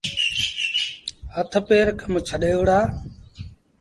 هٿ پير ڪم ڇڏي وهُڙآ۔